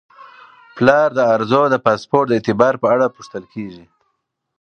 پلار د ارزو د پاسپورت د اعتبار په اړه پوښتل کیږي.